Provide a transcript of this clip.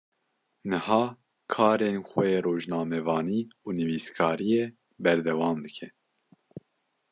Niha karên xwe yên rojnamevanî û nivîskariyê berdewam dike.